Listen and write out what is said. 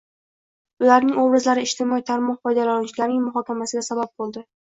Ularning obrazlari ijtimoiy tarmoq foydalanuvchilarining muhokamasiga sabab bo‘ldi